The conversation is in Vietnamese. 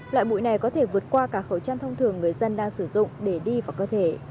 loại bụi này có thể vượt qua cả khẩu trang thông thường người dân đang sử dụng để đi vào cơ thể